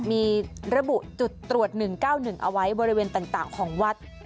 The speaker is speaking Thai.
มีระบุจุดตรวจ๑๙๑เอาไว้บริเวณต่างของวัด